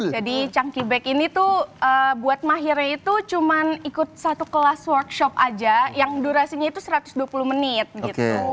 jadi chunky bag ini tuh buat mahirnya itu cuma ikut satu kelas workshop aja yang durasinya itu satu ratus dua puluh menit gitu